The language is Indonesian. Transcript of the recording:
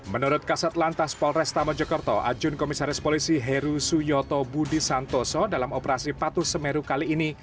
menurut kasat lantas polresta mojokerto ajun komisaris polisi heru suyoto budi santoso dalam operasi patuh semeru kali ini